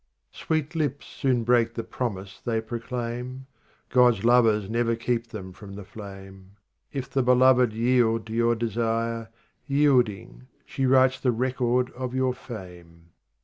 50 Sweet lips soon break the promise they proclaim God's lovers never keep them from the flame : If the beloved yield to your desire, Yielding, she writes the record of your fame.